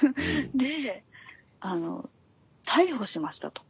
であの逮捕しましたと。